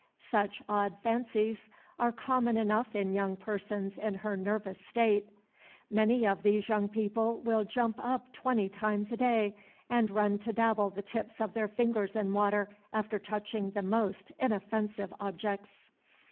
Such odd fancies are common enough in young persons in her nervous state. Many of these young people will jump up twenty times a day and run to dabble the tips of their fingers in water, after touching the most inoffensive objects.